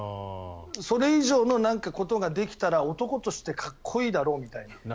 それ以上のことができたら男としてかっこいいだろうみたいな。